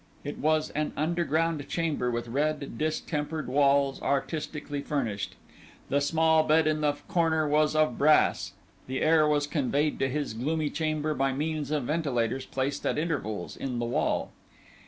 It was an underground chamber, with red, distempered walls, artistically furnished. The small bed in the corner was of brass; the air was conveyed to his gloomy chamber by means of ventilators placed at intervals in the wall.